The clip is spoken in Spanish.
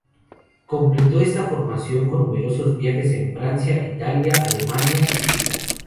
Completó esta formación con numerosos viajes en Francia, Italia, Alemania y Suiza.